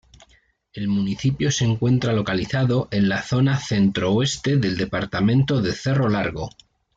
El municipio se encuentra localizado en la zona centro-oeste del departamento de Cerro Largo.